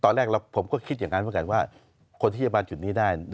ตอนแรกแล้วผมก็คิดอย่างนั้นเพราะฉะนั้นว่าคนที่เชี่ยวบ้านจุดนี้ได้